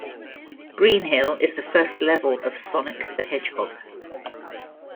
Green Hill is the first level of "Sonic the Hedgehog".